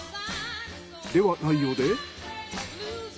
ではないようで。